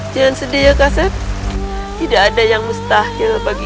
jangan sedih ya kaset tidak ada yang mustahil bagi